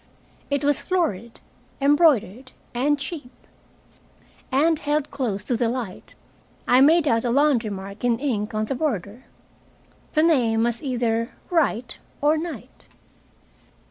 It was florid, embroidered, and cheap. And held close to the light, I made out a laundry mark in ink on the border. The name was either Wright or Knight.